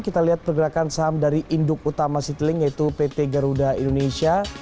kita lihat pergerakan saham dari induk utama citylink yaitu pt garuda indonesia